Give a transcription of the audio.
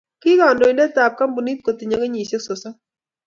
Kikandoindetab kampunit kotinyei kenyisiek sosom.